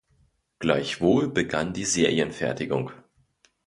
Gleichwohl begann die Serienfertigung.